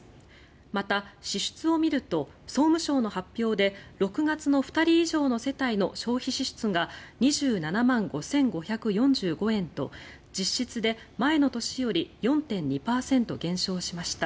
また、支出を見ると総務省の発表で６月の２人以上の世帯の消費支出が２７万５５４５円と実質で前の年より４．２％減少しました。